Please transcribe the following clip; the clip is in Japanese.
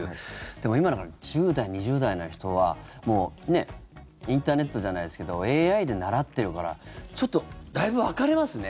でも今の１０代、２０代の人はもうインターネットじゃないけどＡＩで習ってるからだいぶ分かれますね。